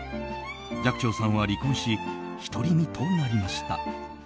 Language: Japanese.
寂聴さんは離婚し独り身となりました。